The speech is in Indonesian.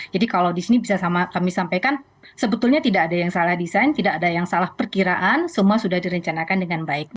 jadi kalau di sini bisa kami sampaikan sebetulnya tidak ada yang salah desain tidak ada yang salah perkiraan semua sudah direncanakan dengan baik